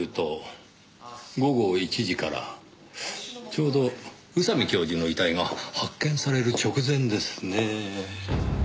ちょうど宇佐美教授の遺体が発見される直前ですねぇ。